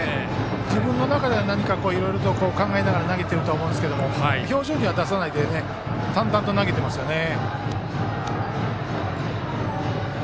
自分の中ではいろいろ考えながら投げていると思いますが表情には出さないで淡々と投げてますよね。